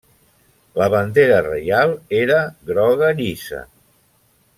La bandera reial era groga llisa.